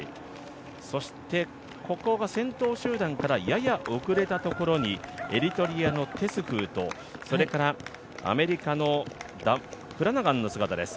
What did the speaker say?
そして、ここが先頭集団からやや遅れたところエリトリアのテスフと、それから、アメリカのフラナガンの姿です。